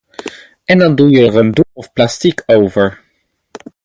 En dan doe je er een doek of plastic over.